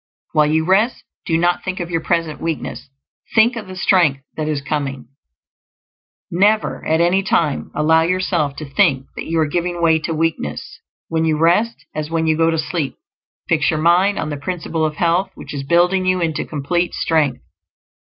While you rest do not think of your present weakness; think of the strength that is coming. Never, at any time, allow yourself to think that you are giving way to weakness; when you rest, as when you go to sleep, fix your mind on the Principle of Health which is building you into complete strength.